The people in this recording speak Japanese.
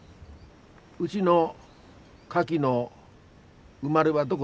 うぢのカキの生まれはどごだい。